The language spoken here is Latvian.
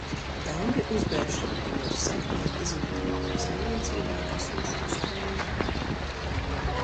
Dambju uzbēršanai ļoti sekmīgi izmantojām saimniecībā esošo skrēperi.